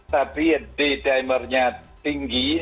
tapi day dimernya tinggi